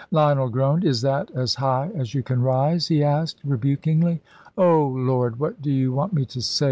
Lionel groaned. "Is that as high as you can rise?" he asked, rebukingly. "Oh, Lord, what do you want me to say?"